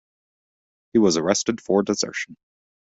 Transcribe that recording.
He was arrested for desertion.